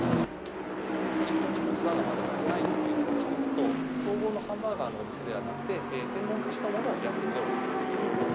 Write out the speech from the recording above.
一等地にモスバーガー、まだ少ないっていうのが一つと、総合のハンバーガーのお店ではなくて、専門化したものをやってみようと。